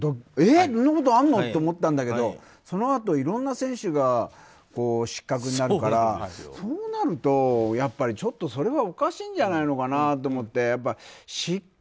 そんなことあんの？って思ったんだけどそのあといろんな選手が失格になるから、そうなるとちょっとそれはおかしいんじゃないのかなと思って。